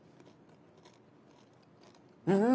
うん！